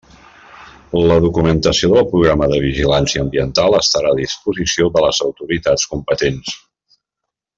La documentació del programa de vigilància ambiental estarà a disposició de les autoritats competents.